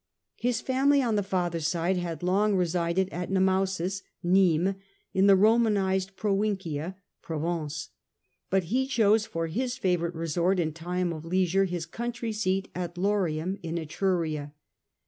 His family on the father's side had long resided at Nemausus (Nismes), in the Romanised Provincia (Provence), but he chose for his favourite resort in time of leisure his country seat at Lorium in Etruria.